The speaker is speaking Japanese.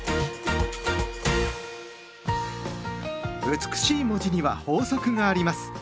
美しい文字には法則があります。